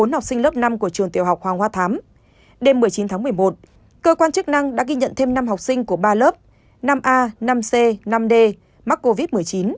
bốn học sinh lớp năm của trường tiểu học hoàng hoa thám đêm một mươi chín tháng một mươi một cơ quan chức năng đã ghi nhận thêm năm học sinh của ba lớp năm a năm c năm d mắc covid một mươi chín